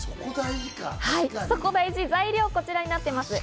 材料はこちらになっています。